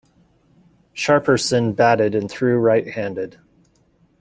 Sharperson batted and threw right-handed.